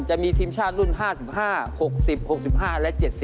จะมีทีมชาติรุ่น๕๕๖๐๖๕และ๗๐